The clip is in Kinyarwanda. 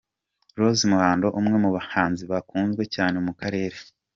Rose Muhando umwe mu bahanzi bakunzwe cyane mu karere.